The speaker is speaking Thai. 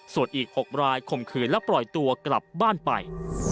ส่วนอีก๖รายข่มขืนและปล่อยตัวกลับบ้านไป